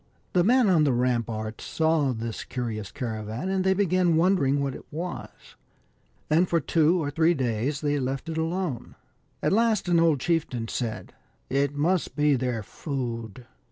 The men on the ramparts saw this curious caravan, Origin of the Welsh. 27 and they began wondering what it was, and for two or three days they left it alone. At last an old chieftain said :" It must be their food."